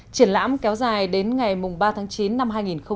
triển lãm kéo dài đến ngày ba tháng chín năm hai nghìn một mươi chín